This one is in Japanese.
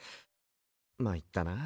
まいったな。